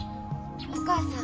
お母さん。